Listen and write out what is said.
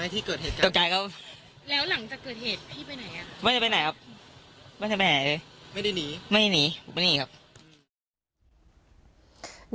ตกใจไหมที่เกิดเหตุการณ์